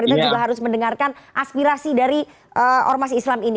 kita juga harus mendengarkan aspirasi dari ormas islam ini